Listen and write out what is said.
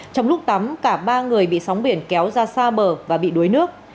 trong lúc tắm cả ba người bị sóng biển kéo ra xa bờ và bị đuối nước